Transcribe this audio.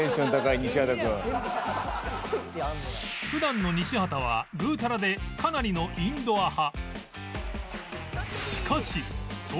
普段の西畑はぐうたらでかなりのインドア派